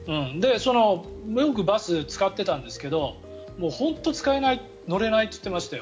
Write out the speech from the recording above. よくバスを使っていたんですけど本当に使えない、乗れないって言ってましたよ。